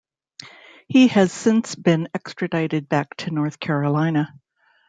He has since been extradited back to North Carolina.